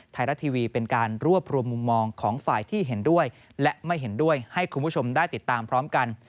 ไทยรัฐทีวีเป็นการรวบรวมมุมมองของฝ่ายที่เห็นด้วยและไม่เห็นด้วยให้คุณผู้ชมได้ติดตามพร้อมกัน